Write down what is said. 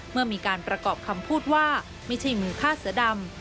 เมื่อมีการประกอบคำพูดว่าไม่ใช่มือฆ่าเสือดำ